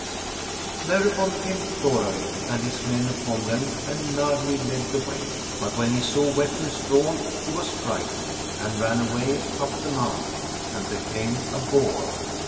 " Thereupon came Thorarinn and his men upon them, and Nagli led the way ; but when he saw weapons drawn he was frightened, and ran away up the mountain, and became a boar.